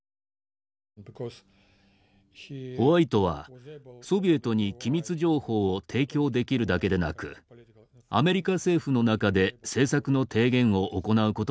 ホワイトはソビエトに機密情報を提供できるだけでなくアメリカ政府の中で政策の提言を行う事もできました。